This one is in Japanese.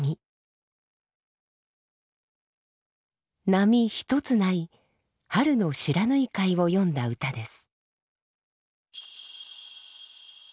波一つない春の不知火海を詠んだ歌です。